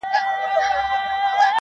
سوال جواب د اور لمبې د اور ګروزونه-